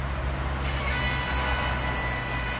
پخلاینه د رواني ارامتیا سبب ګرځي.